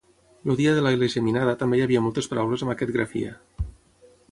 El dia de la ela geminada també hi havia moltes paraules amb aquest grafia.